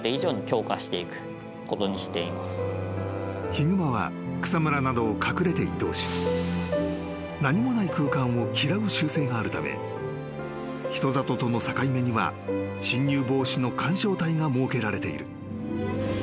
［ヒグマは草むらなどを隠れて移動し何もない空間を嫌う習性があるため人里との境目には侵入防止の緩衝帯が設けられている］